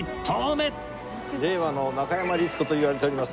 令和の中山律子といわれております